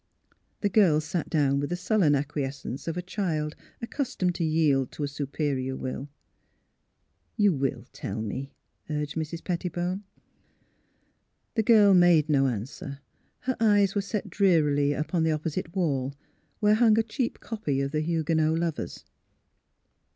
The girl sat down with the sullen acquiescence of a child accustomed to yield to a superior will. '' You will tell me? " urged Mrs. Pettibone. 234 THE HEAET OF PHILURA The girl made no answer. Her eyes were set drearily upon the opposite wall, where hung a cheap copy of the Huguenot lovers.